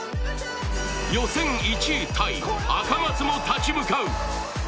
予選１位タイ、赤松も立ち向かう。